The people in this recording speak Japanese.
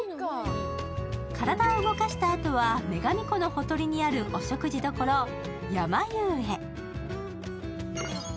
体を動かしたあとは女神瑚のほとりにあるお食事どころ・山木綿へ。